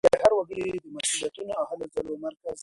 هلمند د هر وګړي د مسولیتونو او هلو ځلو مرکز دی.